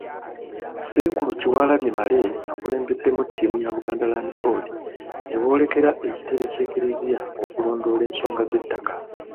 Ssenkulu Kyewalabye Male akulembeddemu ttiimu ya Buganda Land Board ne boolekera ekitebe ky'Ekklezia okulondoola ensonga z'ettaka.